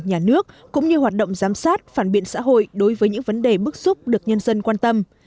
nhà nước cũng như hoạt động giám sát phản biện xã hội đối với những vấn đề bức xúc được nhân dân quan tâm